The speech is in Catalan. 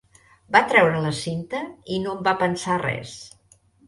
Va treure la cinta i no en va pensar res.